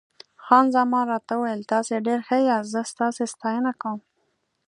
خان زمان راته وویل: تاسي ډېر ښه یاست، زه ستاسي ستاینه کوم.